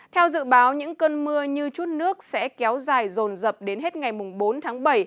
theo dự báo những cơn mưa như chút nước sẽ kéo dài rồn rập đến hết ngày bốn tháng bảy